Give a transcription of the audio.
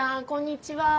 こんにちは。